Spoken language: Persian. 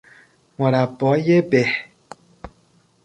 مربای به